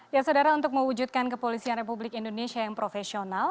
ya saudara untuk mewujudkan kepolisian republik indonesia yang profesional